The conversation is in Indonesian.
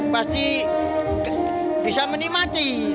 pasti bisa menikmati